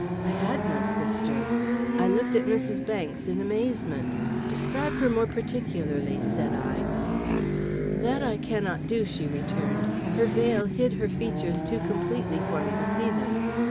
I had no sister. I looked at Mrs. Banks in amazement "Describe her more particularly," said I. "That I cannot do," she returned. "Her veil hid her features too completely for me to see them.